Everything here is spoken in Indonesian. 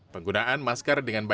penggunaan masker dengan berat